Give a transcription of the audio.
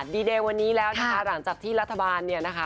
ดีเดย์วันนี้แล้วนะคะหลังจากที่รัฐบาลเนี่ยนะคะ